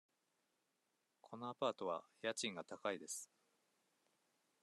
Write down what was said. このアパートは家賃が高いです。